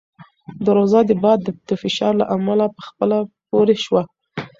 دروازه د باد د فشار له امله په خپله پورې شوه.